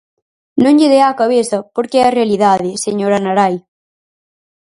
Non lle dea á cabeza porque é a realidade, señora Narai.